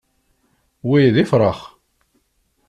Wi d ifṛax.